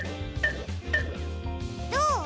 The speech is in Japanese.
どう？